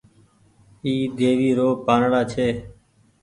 اي ديوي رو پآنڙآ ڇي۔